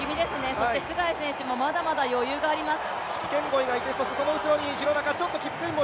そしてツェガイ選手もまだまだ余裕があります。